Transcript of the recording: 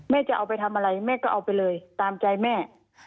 จะเอาไปทำอะไรแม่ก็เอาไปเลยตามใจแม่